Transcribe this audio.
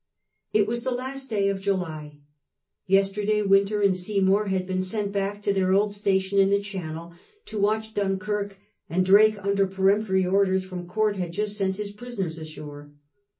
It was the last day of July. Yesterday Wynter and Seymour had been sent back to their old station in the Channel to watch XI FLIGHT OF THE ARMADA 171 Dunkirk, and Drake, under peremptory orders from Court, had just sent his prisoners ashore.